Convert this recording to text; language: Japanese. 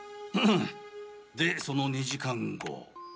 でその２時間後。